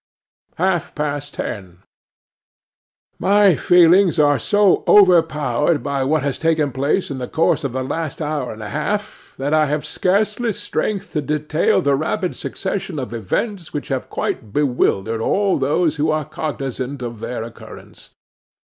'Half after ten. 'MY feelings are so overpowered by what has taken place in the course of the last hour and a half, that I have scarcely strength to detail the rapid succession of events which have quite bewildered all those who are cognizant of their occurrence.